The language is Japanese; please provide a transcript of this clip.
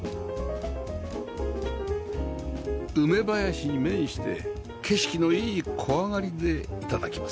梅林に面して景色のいい小上がりで頂きます